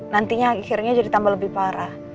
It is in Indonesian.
nantinya akhirnya jadi tambah lebih parah